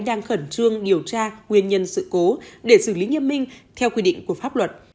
đang khẩn trương điều tra nguyên nhân sự cố để xử lý nghiêm minh theo quy định của pháp luật